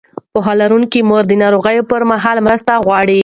پوهه لرونکې مور د ناروغۍ پر مهال مرسته غواړي.